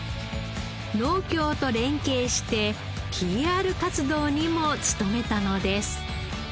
農協と連携してＰＲ活動にも努めたのです。